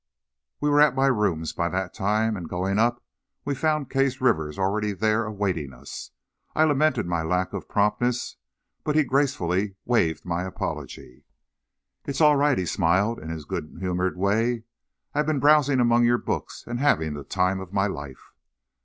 We were at my rooms by that time, and going up, we found Case Rivers already there awaiting us. I lamented my lack of promptness, but he gracefully waived my apology. "It's all right," he smiled in his good humored way, "I've been browsing among your books and having the time of my life."